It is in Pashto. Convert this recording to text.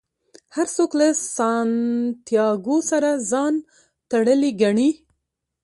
هر څوک له سانتیاګو سره ځان تړلی ګڼي.